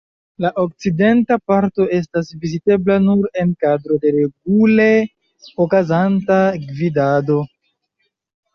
La okcidenta parto etas vizitebla nur en kadro de regule okazanta gvidado.